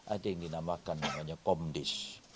ada yang dinamakan komdis